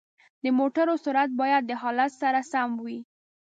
د موټرو سرعت باید د حالت سره سم وي.